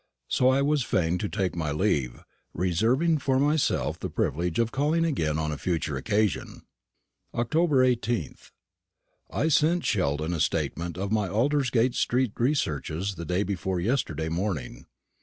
So I was fain to take my leave, reserving to myself the privilege of calling again on a future occasion. Oct. 18th. I sent Sheldon a statement of my Aldersgate street researches the day before yesterday morning.